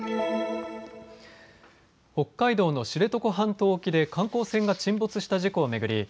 北海道の知床半島沖で観光船が沈没した事故を巡り